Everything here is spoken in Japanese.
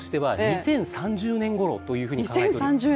私の考えとしては、２０３０年ごろというふうに考えております。